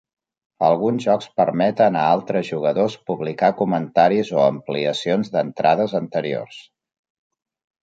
Alguns jocs permeten a altres jugadors publicar comentaris o ampliacions d'entrades anteriors.